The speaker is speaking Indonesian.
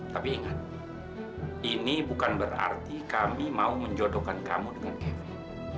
tapi ingat ini bukan berarti kami mau menjodohkan kamu dengan evi